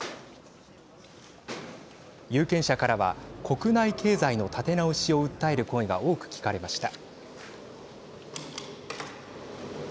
有権者からは国内経済の立て直しを訴える声が多く聞かれました。